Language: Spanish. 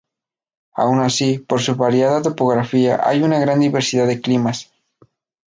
Aun así, por su variada topografía, hay una gran diversidad de climas.